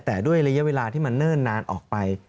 แต่ด้วยระยะเวลาที่มันเนิ่นนานออกไป